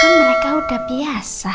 kan mereka udah biasa